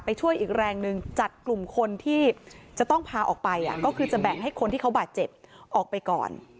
ช่วยอีกแรงหนึ่งจัดกลุ่มคนที่จะต้องพาออกไปก็คือจะแบ่งให้คนที่เขาบาดเจ็บออกไปก่อน